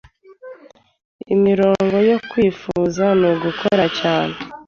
Imirongo yo Kwifuza nugukora cyane